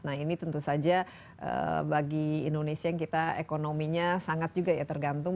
nah ini tentu saja bagi indonesia yang kita ekonominya sangat juga ya tergantung